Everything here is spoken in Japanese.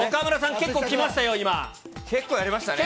結構きましたよ。